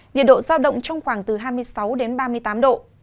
nhiệt độ giao động trong khoảng từ hai mươi sáu đến ba mươi tám độ